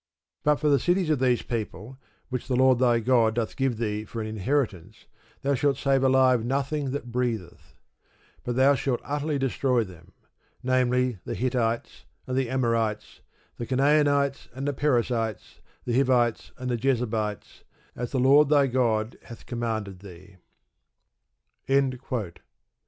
But of the cities of these people, which the Lord thy God doth give thee for an inheritance, thou shalt save alive nothing that breatheth: But thou shalt utterly destroy them; namely, the Hittites, and the Amorites, the Canaanites, and the Perizzites, the Hivites, and the Jebusites, as the Lord thy God hath commanded thee.